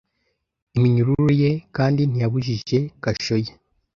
Iminyururu ye, kandi ntiyabujije kasho ye?